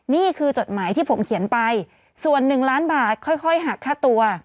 จดหมายที่ผมเขียนไปส่วน๑ล้านบาทค่อยหักค่าตัว